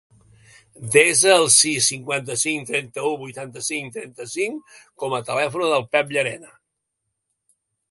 Desa el sis, cinquanta-cinc, trenta-u, vuitanta-cinc, trenta-cinc com a telèfon del Pep Llarena.